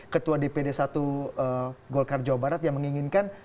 ketua dpd satu golkar jawa barat yang menginginkan